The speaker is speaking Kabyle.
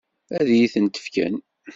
Ad iyi-ten-fken?